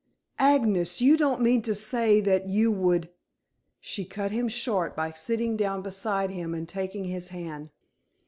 "Agnes, you don't mean to say that you would " She cut him short by sitting down beside him and taking his hand.